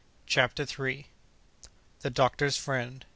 CHAPTER THIRD. The Doctor's Friend.